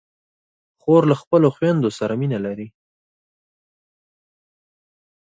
خور له خپلو خویندو سره مینه لري.